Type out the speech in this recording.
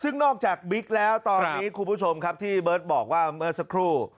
นอกจากบิ๊คแล้วคุณผู้ชมครับที่เบิร์ตบอกว่าเมอร์ดสักครู่